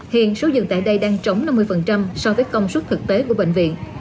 hiện số giường tại đây đang trống năm mươi so với công suất thực tế của bệnh viện